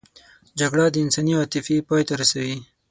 جګړه د انساني عاطفې پای ته رسوي